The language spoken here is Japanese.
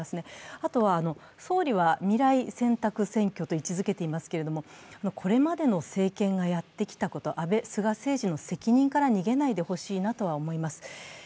あとは、総理は未来選択選挙と位置づけていますけれども、これまでの政権がやってきたこと、安倍・菅政治の責任から逃げないでほしいなとは思います。